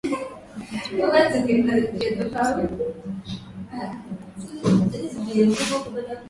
wakati akijaribu kuzuia ghasia za magenge zilizokuwa zimezikumba jamii za makazi ya rasi